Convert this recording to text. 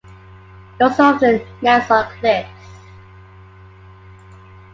It also often nests on cliffs.